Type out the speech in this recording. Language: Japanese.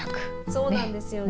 そうなんですよね。